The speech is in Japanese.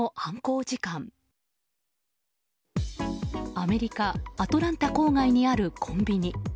アメリカ・アトランタ郊外にあるコンビニ。